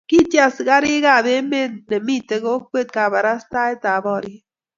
kiitchi askarikab emet ne mito kokwet kabarastaetab boriet